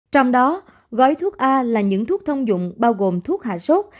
trong đó gói thuốc a là những thuốc thông dụng bao gồm thuốc hạ sốt